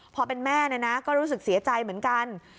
พอเป็นแม่ก็รู้สึกเสียใจเหมือนกัน